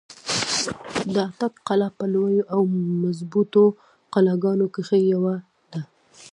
د اټک قلا په لويو او مضبوطو قلاګانو کښې يوه ده۔